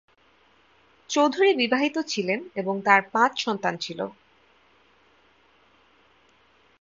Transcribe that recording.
চৌধুরী বিবাহিত ছিলেন এবং তাঁর পাঁচ সন্তান ছিল।